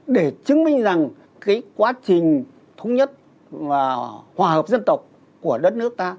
để chứng minh rằng cái quá trình thống nhất và hòa hợp dân tộc của đất nước ta